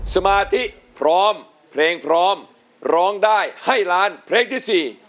สมาธิพร้อมเพลงพร้อมร้องได้ให้ล้านเพลงที่๔